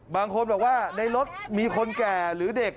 บางคนบอกว่าในรถมีคนแก่หรือเด็ก